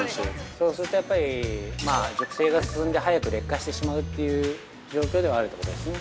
そうするとやっぱり熟成が進んで早く劣化してしまうという状況ではあるということですね。